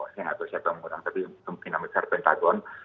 saya nggak tahu siapa pengundang tapi mungkin namanya pentagon